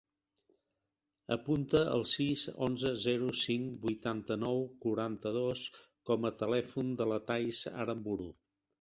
Apunta el sis, onze, zero, cinc, vuitanta-nou, quaranta-dos com a telèfon de la Thaís Aranburu.